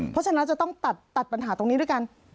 เพราะฉะนั้นจะต้องตัดปัญหาตรงนี้ด้วยกัน